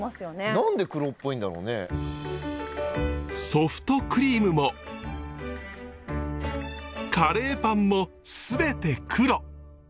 ソフトクリームもカレーパンも全て黒。